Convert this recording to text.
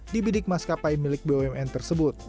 dibidik maskapai milik bumn tersebut